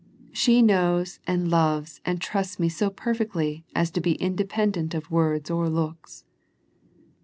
She knows and loves and trusts Me so perfectly as to be independent of words or looks."